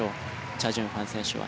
チャ・ジュンファン選手は。